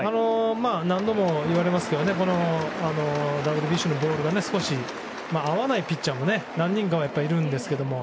何度もいわれますけどＷＢＣのボールが少し合わないピッチャーも何人かはいるんですけども。